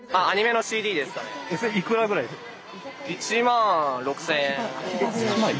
それいくらぐらいですか？